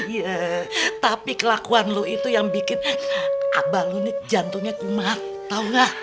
iya tapi kelakuan lo itu yang bikin abah lo nih jantungnya kumat tau gak